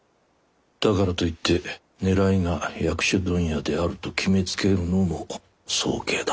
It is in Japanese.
だからと言って狙いが薬種問屋であると決めつけるのも早計だ。